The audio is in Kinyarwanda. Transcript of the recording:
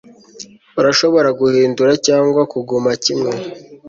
urashobora guhindura cyangwa kuguma kimwe